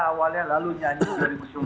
awalnya lalu nyanyi dari musim